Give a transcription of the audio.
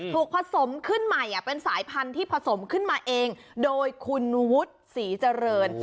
ผสมขึ้นใหม่เป็นสายพันธุ์ที่ผสมขึ้นมาเองโดยคุณวุฒิศรีเจริญ